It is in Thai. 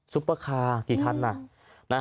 ซุปเปอร์คาร์กี่พรรณ